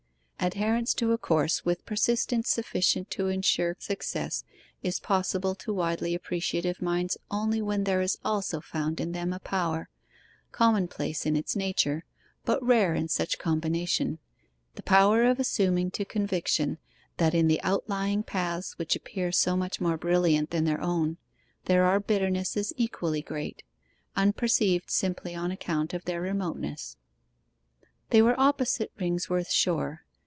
Adherence to a course with persistence sufficient to ensure success is possible to widely appreciative minds only when there is also found in them a power commonplace in its nature, but rare in such combination the power of assuming to conviction that in the outlying paths which appear so much more brilliant than their own, there are bitternesses equally great unperceived simply on account of their remoteness. They were opposite Ringsworth Shore.